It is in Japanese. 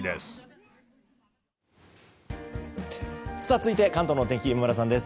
続いて、関東のお天気今村さんです。